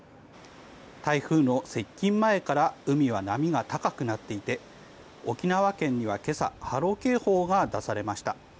台風の接近前から海は波が高くなっていて沖縄県には今朝、波浪警報が出されました。